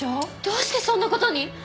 どうしてそんな事に？